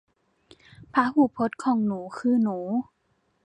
พหูพจน์ของหนูคือหนู